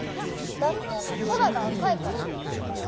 だって空が赤いから。